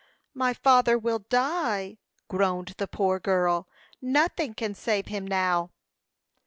"My father will die!" groaned the poor girl. "Nothing can save him now."